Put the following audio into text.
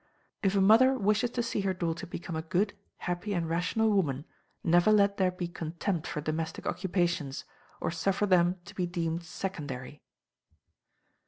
If a mother wishes to see her daughter become a good, happy, and rational woman, never let there be contempt for domestic occupations, or suffer them to be deemed secondary.